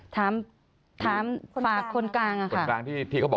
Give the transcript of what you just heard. ถามฝากคนกลางอะครับ